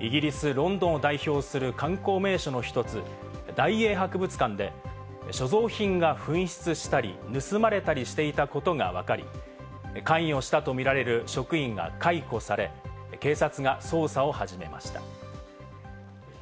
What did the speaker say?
イギリス・ロンドンを代表する観光名所の一つ、大英博物館で、所蔵品が紛失したり、盗まれたりしていたことがわかり、関与したとみられる職員が解雇され、警察が捜査を始めました。